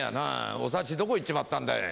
お幸どこ行っちまったんだい？